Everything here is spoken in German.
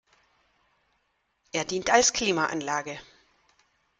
Er dient als Klimaanlage.